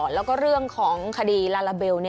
แล้วก็เรื่องของคดีลาลาเบล